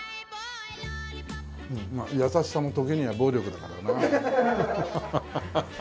まあ優しさも時には暴力だからな。ハハハハッ。